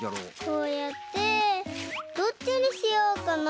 こうやってどっちにしようかな。